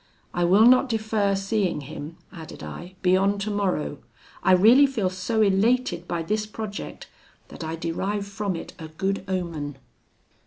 I will not defer seeing him,' added I, 'beyond tomorrow. I really feel so elated by this project, that I derive from it a good omen.'